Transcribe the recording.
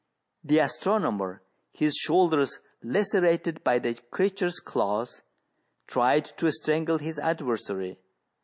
The astronomer, his shoulders lacerated by the creature's claws, tried to strangle his adversary.